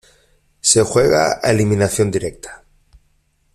Se juega a eliminación directa.